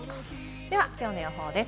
ではきょうの予報です。